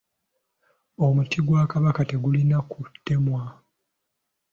Omuti gwa Kabaka tegulina kutemebwa.